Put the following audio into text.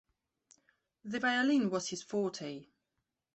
The violin was his forte.